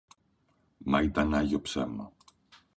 Μα ήταν άγιο ψέμα.